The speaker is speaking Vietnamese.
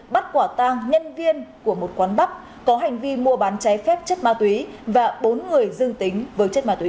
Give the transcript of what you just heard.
bắt quả tang nhân viên của một quán bắp có hành vi mua bán cháy phép chất ma túy và bốn người dương tính với chất ma túy